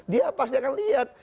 dia pasti akan lihat